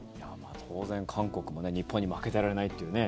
当然、韓国も日本に負けてられないというね。